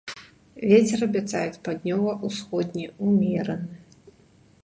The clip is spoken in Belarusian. Вецер абяцаюць паўднёва-ўсходні, умераны.